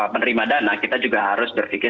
penerima dana kita juga harus berpikir